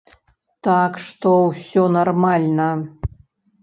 Так што ўсё нармальна.